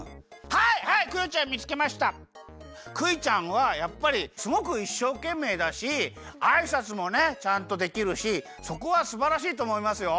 クイちゃんはやっぱりすごくいっしょうけんめいだしあいさつもねちゃんとできるしそこはすばらしいとおもいますよ。